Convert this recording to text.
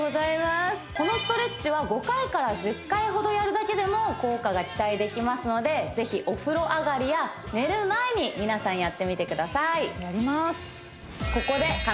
このストレッチは５回から１０回ほどやるだけでも効果が期待できますのでぜひお風呂上がりや寝る前に皆さんやってみてくださいやります